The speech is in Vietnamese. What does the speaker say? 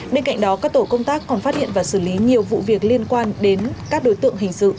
bên cạnh đó các tổ công tác còn phát hiện và xử lý nhiều vụ việc liên quan đến các đối tượng hình sự